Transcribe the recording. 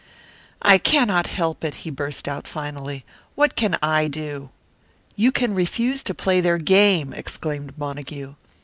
"I cannot help it," he burst out, finally. "What can I do?" "You can refuse to play their game!" exclaimed Montague.